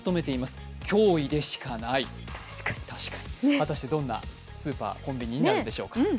果たしてどんなスーパーコンビニになるんでしょうか。